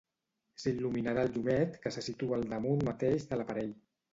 S'il·luminarà el llumet que se situa al damunt mateix de l'aparell.